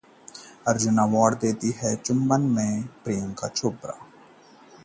Arjun award के लिए दुती चंद, खेल रत्न के लिए हरभजन का नाम खारिज